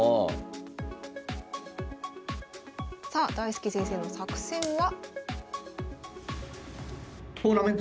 さあ大介先生の作戦は？